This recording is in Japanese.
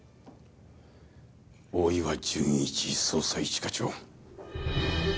大岩純一捜査一課長。